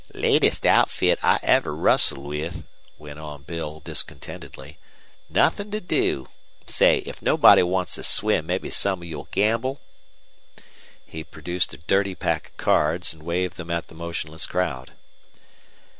"Laziest outfit I ever rustled with," went on Bill, discontentedly. "Nuthin' to do! Say, if nobody wants to swim maybe some of you'll gamble?" He produced a dirty pack of cards and waved them at the motionless crowd.